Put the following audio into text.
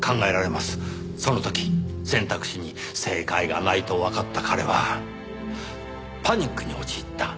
その時選択肢に正解がないとわかった彼はパニックに陥った。